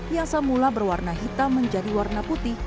yang semula berwarna hitam menjadi warna putih